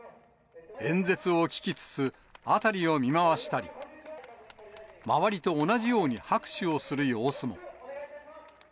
演説を聞きつつ辺りを見回したり、周りと同じように拍手をする様子も。